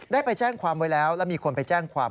ได้ไปแจ้งความไว้แล้วแล้วมีคนไปแจ้งความ